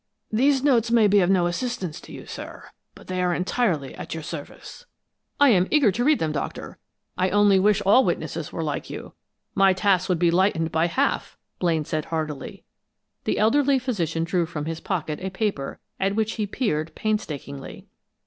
These notes may be of no assistance to you, sir, but they are entirely at your service." "I am eager to hear them, Doctor. I only wish all witnesses were like you my tasks would be lightened by half," Blaine said, heartily. The elderly physician drew from his pocket a paper, at which he peered, painstakingly.